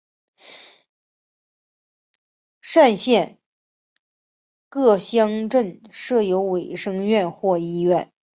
单县各乡镇设有卫生院或医院。